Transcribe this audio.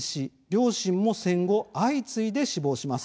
両親も戦後、相次いで死亡します。